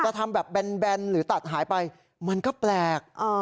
คะทำแบบเป็นแบนซ์หรือตัดหายไปมันก็แปลกอ๋อ